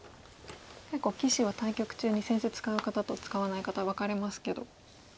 結構棋士は対局中に扇子使う方と使わない方分かれますけど。